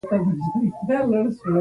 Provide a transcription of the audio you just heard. اغزی د پښې په غوښه کې ننوت او پاتې شو.